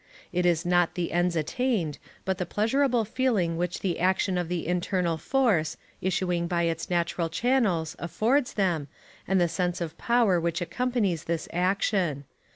It is not the ends attained, but the pleasurable feeling which the action of the internal force, issuing by its natural channels, affords them, and the sense of power which accompanies the action.